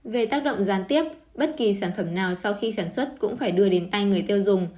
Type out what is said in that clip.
về tác động gián tiếp bất kỳ sản phẩm nào sau khi sản xuất cũng phải đưa đến tay người tiêu dùng